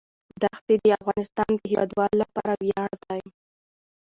دښتې د افغانستان د هیوادوالو لپاره ویاړ دی.